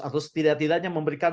atau setidak tidaknya memberikan